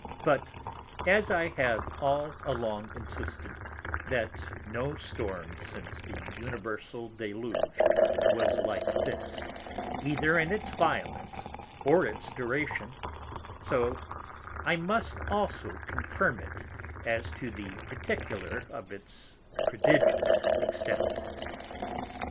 But as I have all along insisted, that no Storm since the Universal Deluge was like this, either in its Violence or its Duration, so I must also confirm it as to the particular of its prodigious Extent.